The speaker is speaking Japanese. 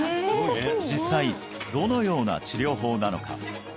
実際どのような治療法なのか？